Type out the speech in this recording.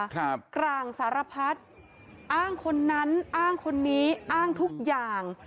กลางสารพัดอ้างคนนั้นอ้างคนนี้อ้างทุกอย่าง